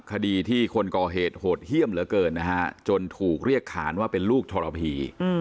คดีที่คนก่อเหตุโหดเยี่ยมเหลือเกินนะฮะจนถูกเรียกขานว่าเป็นลูกทรพี